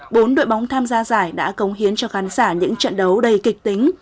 bốn đội bóng tham gia giải đã cống hiến cho khán giả những trận đấu đầy kịch tính